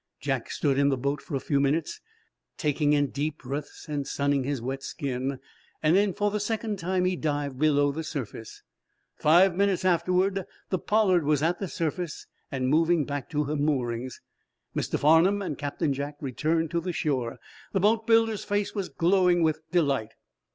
Jack stood in the boat for a few minutes, taking in deep breaths and sunning his wet skin. Then, for the second time, he dived below the surface. Five minutes afterward the "Pollard" was at the surface and moving back to her moorings. Mr. Farnum and Captain Jack returned to the shore. The boatbuilder's face was glowing with delight.